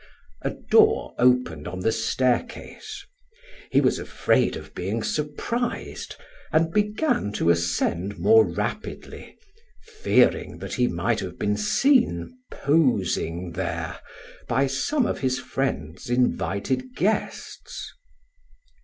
A door opened on the staircase, He was afraid of being surprised and began to ascend more rapidly, fearing that he might have been seen posing there by some of his friend's invited guests.